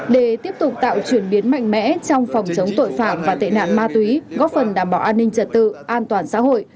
để tiếp tục tạo chuyển biến mạnh mẽ trong phòng chống tội phạm và tệ nạn ma túy góp phần đảm bảo an ninh trật tự an toàn xã hội